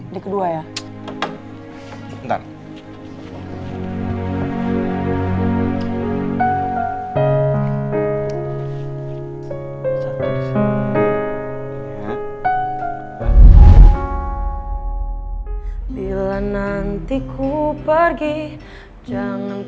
di kedua ya